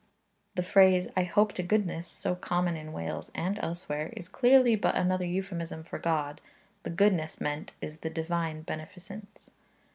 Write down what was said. The phrase 'I hope to goodness,' so common in Wales and elsewhere, is clearly but another euphemism for God; the goodness meant is the Divine beneficence.